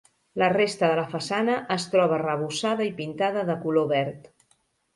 La resta de la façana es troba arrebossada i pintada de color verd.